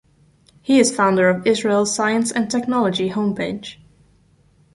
He is founder of Israel Science and Technology Homepage.